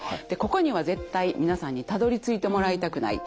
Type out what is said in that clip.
ここには絶対皆さんにたどりついてもらいたくない。